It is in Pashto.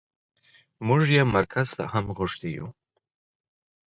موږ يې مرکز ته هم غوښتي يو.